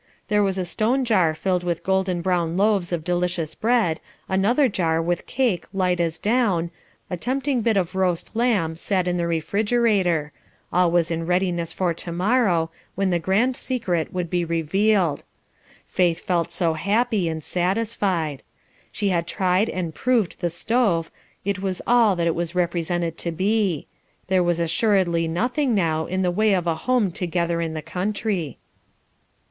There was a stone jar filled with golden brown loaves of delicious bread, another jar with cake light as down, a tempting bit of roast lamb sat in the refrigerator; all was in readiness for tomorrow, when the grand secret would be revealed. Faith felt so happy and satisfied; she had tried and proved the stove, it was all that it was represented to be; there was assuredly nothing, now, in the way of a home together in the country.